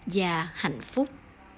và hạnh phúc